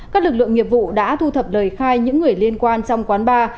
các lực lượng nghiệp vụ đã thu thập lời khai những người liên quan trong quán bar